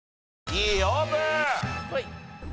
Ｄオープン！